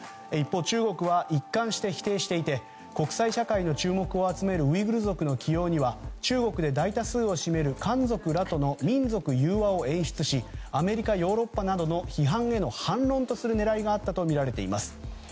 一方、中国は一貫して否定していて国際社会の注目を集めるウイグル族の起用には中国で大多数を占める漢族らとの民族融和を演出しアメリカ、ヨーロッパへの批判への反論とする狙いがあったとみられています。